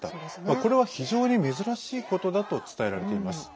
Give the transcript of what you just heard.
これは非常に珍しいことだと伝えられています。